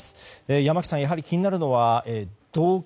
山木さん、やはり気になるのは動機。